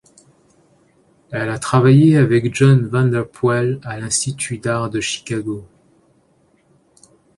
Elle a travaillé avec John Vanderpoel à l'Institut d'art de Chicago.